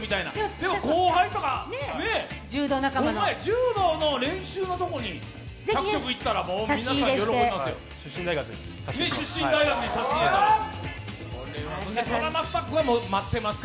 でも後輩とかね、柔道の練習のとこに１００食、いったら皆さん喜びますよ。